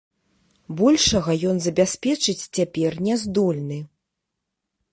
Большага ён забяспечыць цяпер не здольны.